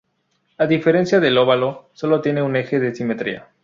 A diferencia del óvalo, solo tiene un eje de simetría.